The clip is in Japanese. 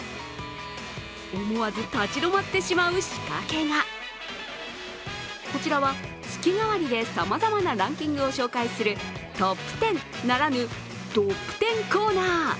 思わず立ち止まってしまう仕掛けがこちらは月替わりでさまざまなランキングを紹介するトップ１０ならぬドップ１０コーナー。